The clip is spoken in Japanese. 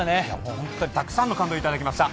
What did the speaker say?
本当にたくさんの感動をいただきました。